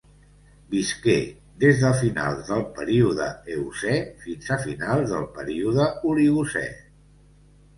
Visqué des de finals del període Eocè fins a finals del període Oligocè.